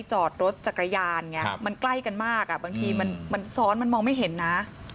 จอดรถจักรยานไงมันใกล้กันมากบางทีมันซ้อนมันมองไม่เห็นนะ